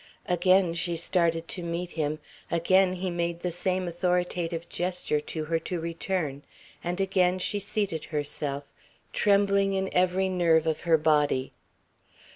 Again she started to meet him; again he made the same authoritative gesture to her to return; and again she seated herself, trembling in every nerve of her body.